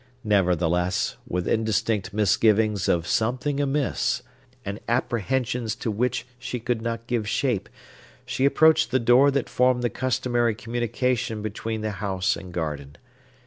Nevertheless, with indistinct misgivings of something amiss, and apprehensions to which she could not give shape, she approached the door that formed the customary communication between the house and garden.